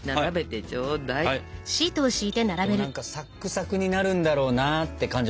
でも何かサックサクになるんだろうなって感じはするよね。